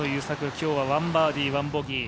今日は１バーディー１ボギー。